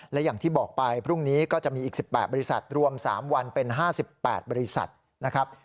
และอย่างที่บอกไปพรุ่งนี้ก็จะมีอีก๑๘บริษัทรวม๓วันเป็น๕๘บริษัทนะครับ